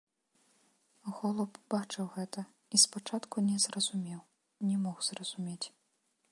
Голуб бачыў гэта і спачатку не зразумеў, не мог зразумець.